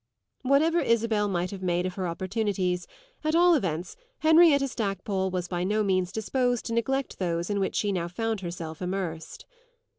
Whatever Isabel might have made of her opportunities, at all events, Henrietta Stackpole was by no means disposed to neglect those in which she now found herself immersed.